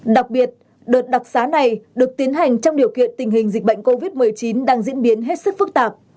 đặc biệt đợt đặc xá này được tiến hành trong điều kiện tình hình dịch bệnh covid một mươi chín đang diễn biến hết sức phức tạp